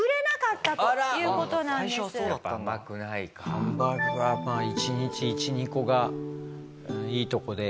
ハンバーグは１日１２個がいいとこで。